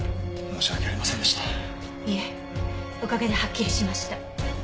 おかげではっきりしました。